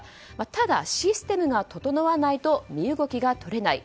ただ、システムが整わないと身動きが取れない。